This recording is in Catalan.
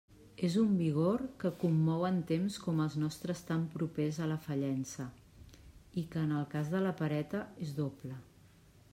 És un vigor que commou en temps com els nostres tan propers a la fallença, i que en el cas de la pereta és doble.